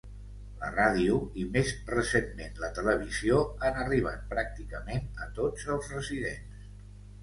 La ràdio, i més recentment la televisió, han arribat pràcticament a tots els residents.